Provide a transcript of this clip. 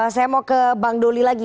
saya mau ke bang doli lagi